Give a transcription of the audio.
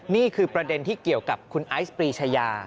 นี่คือประเด็นที่เกี่ยวกับคุณไอซ์ปรีชายา